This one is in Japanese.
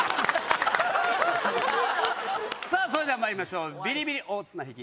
それではまいりましょうビリビリ大綱引き。